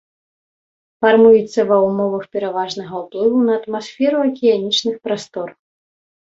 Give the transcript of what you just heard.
Фармуецца ва ўмовах пераважнага ўплыву на атмасферу акіянічных прастор.